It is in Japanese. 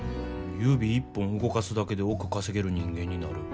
指一本動かすだけで億稼げる人間になる。